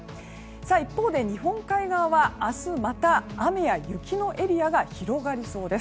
一方で日本海側は明日また、雨や雪のエリアが広がりそうです。